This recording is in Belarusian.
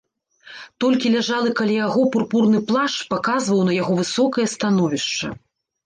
Толькі ляжалы каля яго пурпурны плашч паказваў на яго высокае становішча.